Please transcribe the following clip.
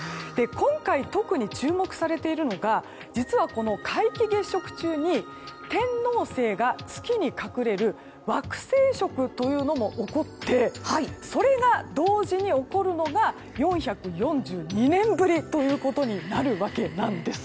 今回、特に注目されているのが皆既月食中に天王星が月に隠れる惑星食というのも起こってそれが、同時に起こるのが４４２年ぶりということになるわけです。